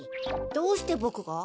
どうしてボクが？